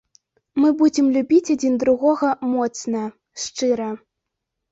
Мы будзем любіць адзін другога моцна, шчыра.